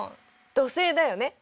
土星だよね。